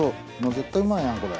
絶対うまいやんこれ。